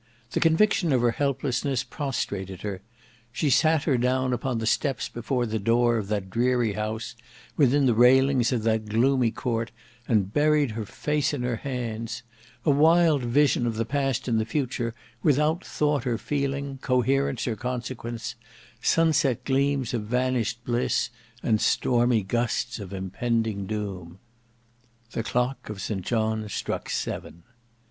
The conviction of her helplessness prostrated her. She sate her down upon the steps before the door of that dreary house, within the railings of that gloomy court, and buried her face in her hands: a wild vision of the past and the future, without thought or feeling, coherence or consequence: sunset gleams of vanished bliss, and stormy gusts of impending doom. The clock of St John's struck seven.